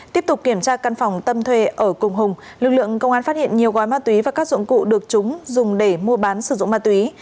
tiếp tục kiểm tra căn phòng tâm thuê ở cùng hùng lực lượng công an phát hiện nhiều gói ma túy và các dụng cụ được chúng dùng để mua bán sử dụng ma túy